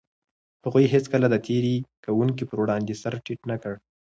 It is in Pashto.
هغوی هيڅکله د تېري کوونکو پر وړاندې سر ټيټ نه کړ.